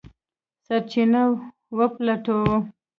سرچینه وپلټو.